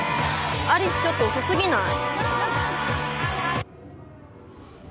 有栖ちょっと遅すぎない？